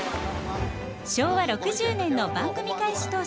昭和６０年の番組開始